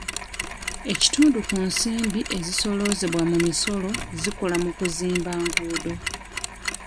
Ekitundu ku nsimbi ezisooloozebwa mu misolo zikola mu kuzimba enguudo.